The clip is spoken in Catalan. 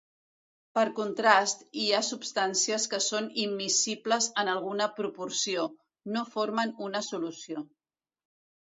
Per contrast, hi ha substàncies que són immiscibles en alguna proporció, no formen una solució.